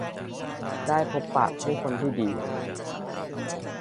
ได้พบปะผู้คนที่ดี